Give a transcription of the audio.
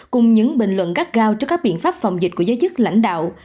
cùng những bình luận gắt gao cho các biện pháp phòng dịch của giới chức lãnh đạo